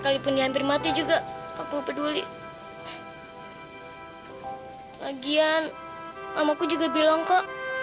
lagian mamaku juga bilang kok